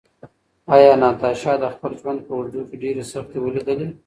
ایا ناتاشا د خپل ژوند په اوږدو کې ډېرې سختۍ ولیدلې؟